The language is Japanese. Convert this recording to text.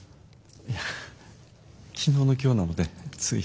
いや昨日の今日なのでつい。